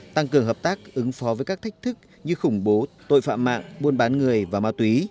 tăng cường hợp tác ứng phó với các thách thức như khủng bố tội phạm mạng buôn bán người và ma túy